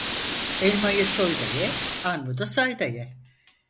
Elmayı soy da ye, armudu say da ye.